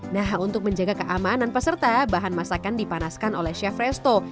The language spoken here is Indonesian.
nah untuk menjaga keamanan peserta bahan masakan dipanaskan oleh chef resto